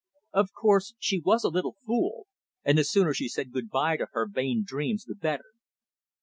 Of course, she was a little fool, and the sooner she said good bye to her vain dreams the better.